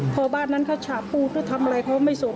พอบ้านนั้นเขาฉาบพูดด้วยทำอะไรเขาไม่สน